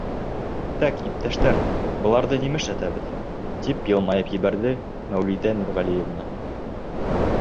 — Тәк, иптәштәр, быларҙы нишләтәбеҙ? — тип йылмайып ебәрҙе Мәүлиҙә Нурғәлиевна.